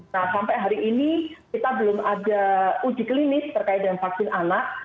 nah sampai hari ini kita belum ada uji klinis terkait dengan vaksin anak